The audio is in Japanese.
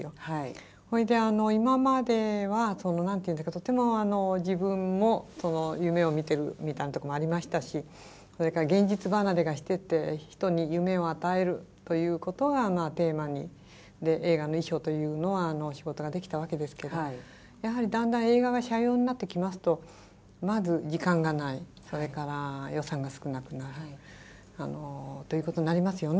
それで今までは何て言うんですかとても自分も夢を見てるみたいなとこもありましたしそれから現実離れがしてて人に夢を与えるということがテーマで映画の衣装というのは仕事ができたわけですけどやはりだんだん映画が斜陽になってきますとまず時間がないそれから予算が少なくなるということになりますよね。